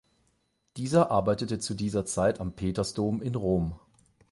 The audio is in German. Dieser arbeitete zu dieser Zeit am Petersdom in Rom.